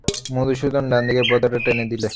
মধুসূদন ডান দিকের পর্দাটা টেনে দিলে।